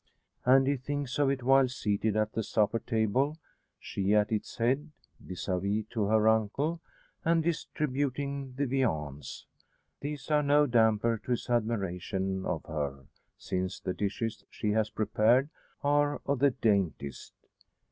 And he thinks of it while seated at the supper table; she at its head, vis a vis to her uncle, and distributing the viands. These are no damper to his admiration of her, since the dishes she has prepared are of the daintiest.